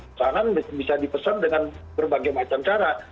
pesanan bisa dipesan dengan berbagai macam cara